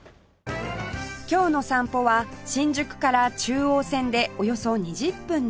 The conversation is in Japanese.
今日の散歩は新宿から中央線でおよそ２０分の三鷹